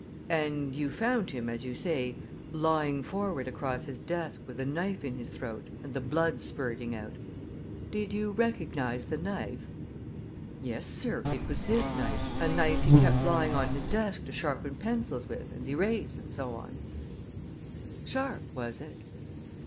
"And you found him, as you say, lying forward across his desk with a knife in his throat and the blood spurting out. Did you recognize the knife?" "Yes, sir. It was his knife a knife he kept lying on his desk to sharpen pencils with and erase and so on." "Sharp, was it?"